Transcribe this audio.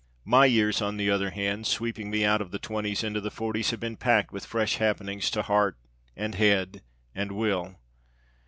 My years, on the other hand, sweeping me out of the twenties into the forties, have been packed with fresh happenings to heart and head and will.